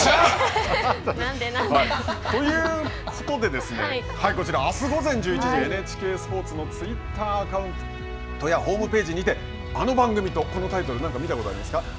なんでなんで？ということでこちら、あす午前１１時、ＮＨＫスポーツのツイッターアカウントやホームページにてあの番組とこのタイトル、何か見たことないですか？